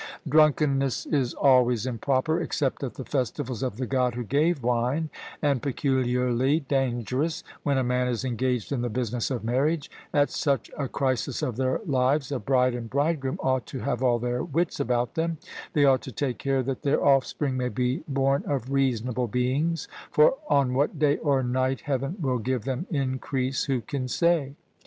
Drunkenness is always improper, except at the festivals of the God who gave wine; and peculiarly dangerous, when a man is engaged in the business of marriage; at such a crisis of their lives a bride and bridegroom ought to have all their wits about them they ought to take care that their offspring may be born of reasonable beings; for on what day or night Heaven will give them increase, who can say?